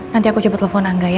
nanti aku coba telepon angga ya